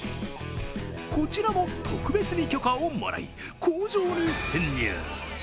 こちらも特別に許可をもらい工場に潜入。